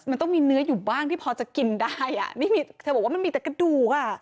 มันต้องมีเนื้ออยู่บ้างที่พอจะกินได้อ่ะนี่มีเธอบอกว่ามันมีแต่กระดูกอ่ะ